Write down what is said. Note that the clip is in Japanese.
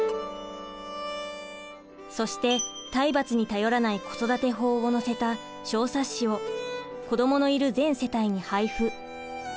そして体罰に頼らない子育て法を載せた小冊子を子どものいる全世帯に配布。